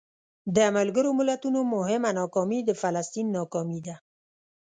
د ملګرو ملتونو مهمه ناکامي د فلسطین ناکامي ده.